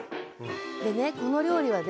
でねこの料理はね